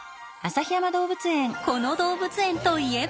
この動物園といえば！